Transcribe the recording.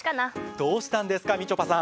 どうしたんですかみちょぱさん。